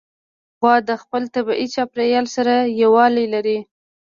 غوا د خپل طبیعي چاپېریال سره یووالی لري.